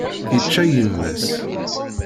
Yečča yemma-s.